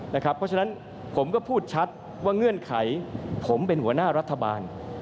เพราะฉะนั้นผมก็พูดชัดว่าเงื่อนไขผมเป็นหัวหน้ารัฐบาล